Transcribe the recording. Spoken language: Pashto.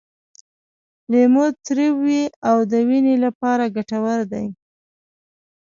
لیمو تریو وي او د وینې لپاره ګټور دی.